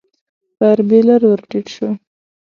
پر بېلر ور ټيټ شو.